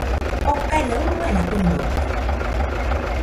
Okaina uruena fɨnode.